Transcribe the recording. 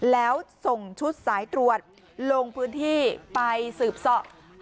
แล้วส่งชุดสายตรวจลงพื้นที่ไปสืบสอบ